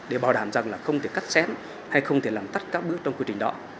để bảo đảm rằng không thể cắt xém hay không thể làm tắt các bước trong quy trình đó